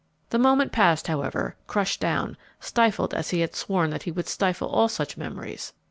The moment passed, however, crushed down, stifled as he had sworn that he would stifle all such memories.